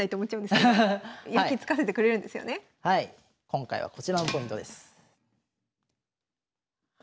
今回はこちらのポイントです。